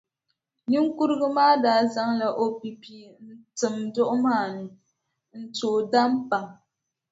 Niŋkurugu maa daa zaŋla o pipia n-tim daduɣu maa ni n- tooi daam pam.